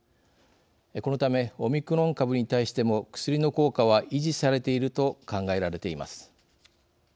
このためオミクロン株に対しても薬の効果は維持されていると考えられています。